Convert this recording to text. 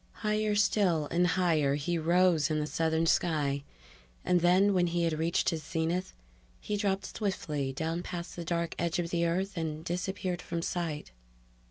Higher still and higher he rose in the southern sky, and then, when he had reached his zenith, he dropped swiftly down past the dark edge of the Earth and disappeared from sight.